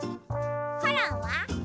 コロンは？